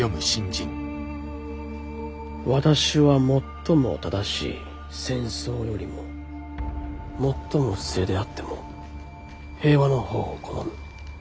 「私は最も正しい戦争よりも最も不正であっても平和のほうを好む」。